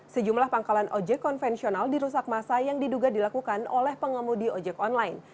sejumlah pangkalan ojek konvensional dirusak masa yang diduga dilakukan oleh pengemudi ojek online